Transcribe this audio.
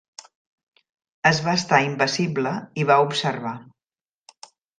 Es va estar impassible i va observar.